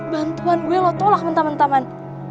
wulan gue lo tolak mentah mentah man